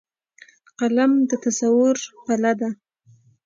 قلم د تصور پله ده